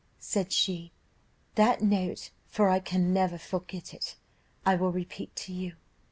said she. That note, for I can never forget it, I will repeat to you.